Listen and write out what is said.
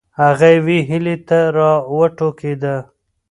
هغه یوې هیلې ته راوټوکېده.